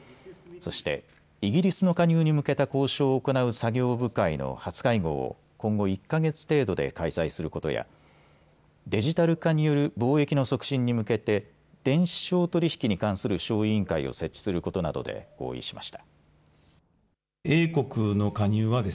そしてイギリスの加入に向けた交渉を行う作業部会の初会合を今後１か月程度で開催することやデジタル化による貿易の促進に向けて電子商取引に関する小委員会を設置することなどで合意しました。